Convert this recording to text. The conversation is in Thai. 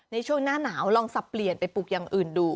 ในช่วงหน้าหนาวลองสับเปลี่ยนไปปลูกอย่างอื่นดู